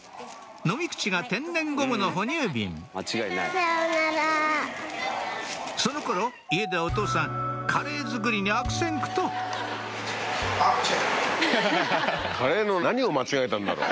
飲み口が天然ゴムの哺乳瓶その頃家ではお父さんカレー作りに悪戦苦闘カレーの何を間違えたんだろう。